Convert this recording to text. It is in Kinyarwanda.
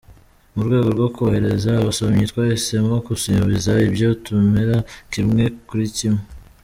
Mu rwego rwo korohereza abasomyi, twahisemo gusubiza ibyo tutemera kimwe kuri kimwe.